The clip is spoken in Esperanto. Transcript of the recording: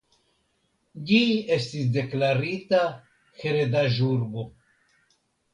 Ĝi estis deklarita heredaĵurbo.